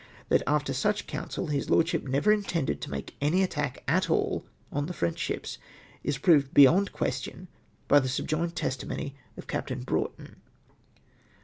That, after such council, his Lordship never intended to make any attach at all on the French ships, is proved beyond question., by the subjoined testimony of Captain Brouoiiton.